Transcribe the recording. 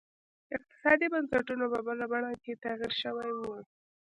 اقتصادي بنسټونه په بله بڼه تغیر شوي وو.